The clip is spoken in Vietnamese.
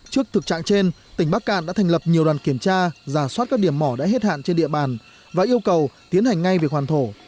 trước thực trạng trên tỉnh bắc cạn đã thành lập nhiều đoàn kiểm tra giả soát các điểm mỏ đã hết hạn trên địa bàn và yêu cầu tiến hành ngay việc hoàn thổ